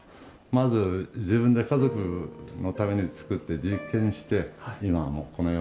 まず自分で家族のために作って実験して今はもうこのようにやってきてると。